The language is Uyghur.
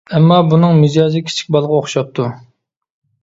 ئەمما بۇنىڭ مىجەزى، كىچىك بالىغا ئوخشاپتۇ.